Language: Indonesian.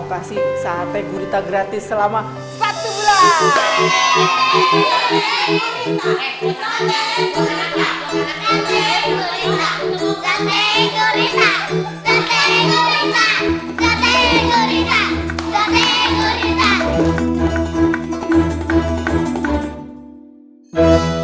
kasih sate gurita gratis selama satu bulan